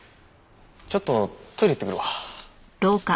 ちょっとトイレ行ってくるわ。